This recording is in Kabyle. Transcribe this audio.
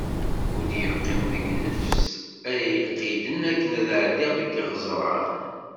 Ur d-yeqqim deg-i nnefs ara iqiden akken ad ɛeddiɣ deg iɣeẓṛan.